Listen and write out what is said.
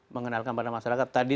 mengenalkan kepada masyarakat tadi